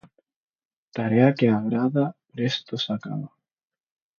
Tarea que agrada presto se acaba.